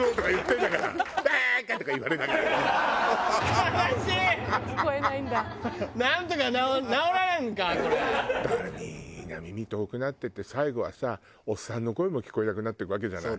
だからみんな耳遠くなっていって最後はさおっさんの声も聞こえなくなっていくわけじゃない？